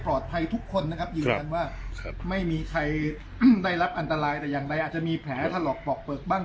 ทุกคนนะครับยืนยันว่าไม่มีใครได้รับอันตรายแต่อย่างใดอาจจะมีแผลถลอกปอกเปลือกบ้าง